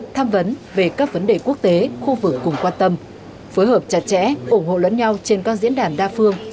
tham vấn về các vấn đề quốc tế khu vực cùng quan tâm phối hợp chặt chẽ ủng hộ lẫn nhau trên các diễn đàn đa phương